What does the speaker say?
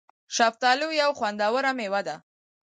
شفتالو یو خوندوره مېوه ده